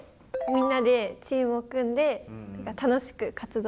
みんなでチームを組んで楽しく活動してました。